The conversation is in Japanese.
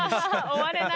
終われない。